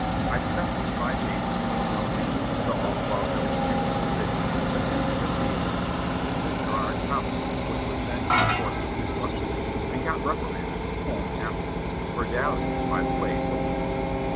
I stopped five days in Philadelphia; saw about every street in the city, attended the theatre, visited Girard College (which was then in course of construction), and got reprimanded from home afterwards, for dallying by the way so long....